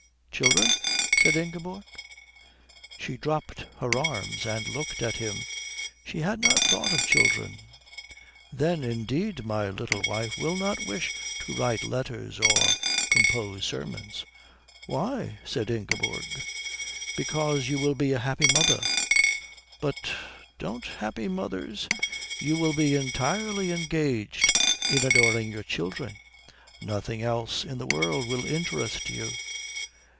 "Children?" said Ingeborg. She dropped her arms and looked at him. She had not thought of children. "Then, indeed, my little wife will not wish to write letters or compose sermons." "Why?" said Ingeborg. "Because you will be a happy mother." "But don't happy mothers " "You will be entirely engaged in adoring your children. Nothing else in the world will interest you."